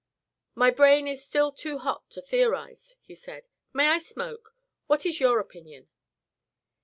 "My brain is still too hot to theorise," he said. "May I smoke? What is your opinion?"